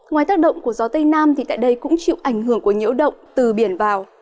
ngoài tác động của gió tây nam tại đây cũng chịu ảnh hưởng của nhiễu động từ biển vào